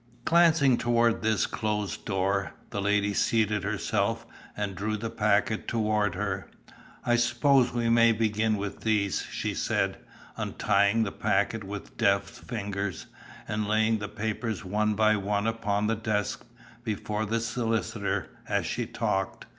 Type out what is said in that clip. Glancing toward this closed door, the lady seated herself, and drew the packet toward her. "I suppose we may begin with these?" she said, untying the packet with deft fingers, and laying the papers one by one upon the desk before the solicitor, as she talked.